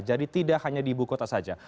jadi tidak hanya di ibu kota saja